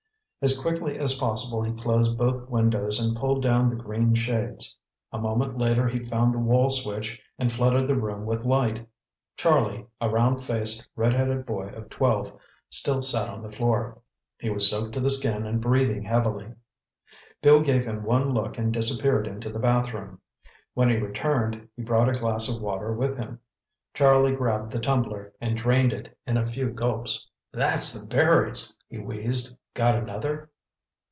As quickly as possible he closed both windows and pulled down the green shades. A moment later he found the wall switch and flooded the room with light. Charlie, a round faced, red headed boy of twelve, still sat on the floor. He was soaked to the skin and breathing heavily. Bill gave him one look and disappeared into the bathroom. When he returned, he brought a glass of water with him. Charlie grabbed the tumbler and drained it in a few gulps. "That's the berries!" he wheezed. "Got another?"